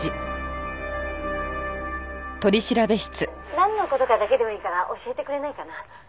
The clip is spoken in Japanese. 「なんの事かだけでもいいから教えてくれないかな？」